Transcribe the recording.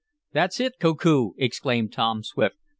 "That's it, Koku!" exclaimed Tom Swift.